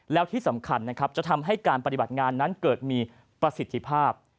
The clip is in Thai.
แล้วที่สำคัญนะครับจะทำให้การปฏิบัติงานนั้นเกิดมีประสิทธิภาพ